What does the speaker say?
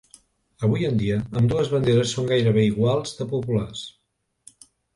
Avui en dia, ambdues banderes són gairebé igual de populars.